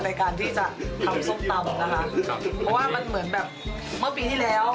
ในการที่จะทำส้มตำนะคะครับเพราะว่ามันเหมือนแบบเมื่อปีที่แล้ว